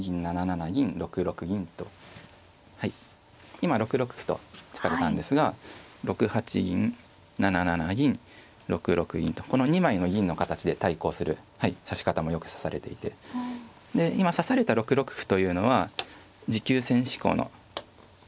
今６六歩と突かれたんですが６八銀７七銀６六銀とこの２枚の銀の形で対抗する指し方もよく指されていてで今指された６六歩というのは持久戦志向の手ですね。